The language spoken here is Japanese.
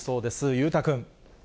裕太君。